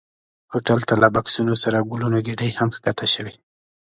هوټل ته له بکسونو سره ګلونو ګېدۍ هم ښکته شوې.